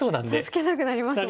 助けたくなりますよね。